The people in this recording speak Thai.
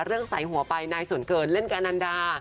เรื่องใส่หัวไปนายส่วนเกินเล่นแก่นันดา